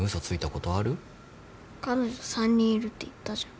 彼女３人いるって言ったじゃん。